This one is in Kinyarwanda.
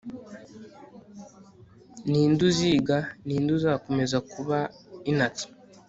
ninde uziga ninde uzakomeza kuba inert